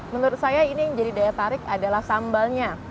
menurut saya ini yang jadi daya tarik adalah sambalnya